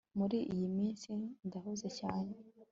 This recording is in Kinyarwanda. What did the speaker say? Muri iyi minsi ndahuze cyane